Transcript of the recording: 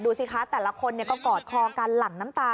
สิคะแต่ละคนก็กอดคอกันหลั่งน้ำตา